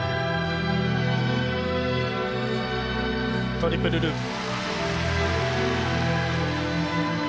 トリプルループ。